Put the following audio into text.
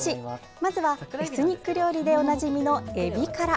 まずは、エスニック料理でおなじみのえびから。